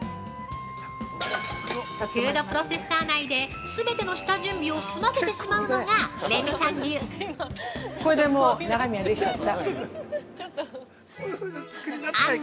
フードプロセッサー内で全ての下準備を済ませてしまうのがレミさん。